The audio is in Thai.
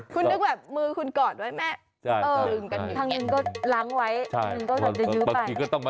คุณนึกออกใช่ไหม